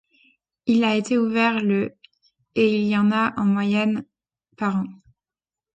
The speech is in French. Il a été ouvert le et il y en a en moyenne par an.